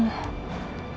tapi kenapa kamu malah